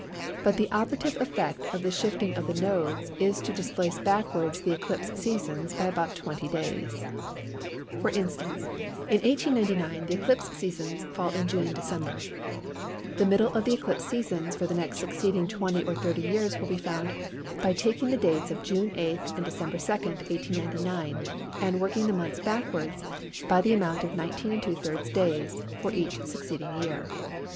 But the operative effect of the shifting of the nodes is to displace backwards the eclipse seasons by about 20 days. For instance in 1899 the eclipse seasons fall in June and December. The middle of the eclipse seasons for the next succeeding 20 or 30 years will be found by taking the dates of June 8 and December 2, 1899, and working the months backwards by the amount of 19⅔ days for each succeeding year.